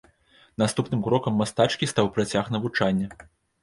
Наступным крокам мастачкі стаў працяг навучання.